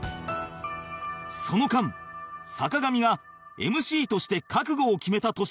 その間坂上が ＭＣ として覚悟を決めた年があったという